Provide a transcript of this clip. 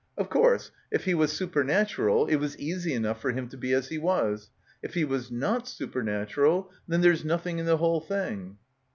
Of course, if he was super natural it was easy enough for him to be as he was ; if he was not supernatural, then there's noth ing in the whole thing."